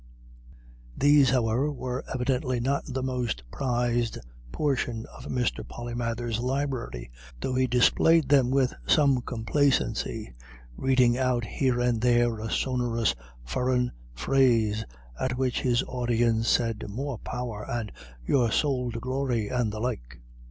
These, however, were evidently not the most prized portion of Mr. Polymathers's library, though he displayed them with some complacency, reading out here and there a sonorous "furrin" phrase, at which his audience said, "More power," and "Your sowl to glory," and the like.